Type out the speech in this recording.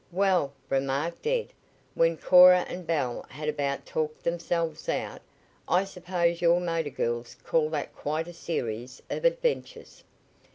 "Well," remarked Ed, when Cora and Belle had about talked themselves out, "I suppose you motor girls call that quite a series of adventures?"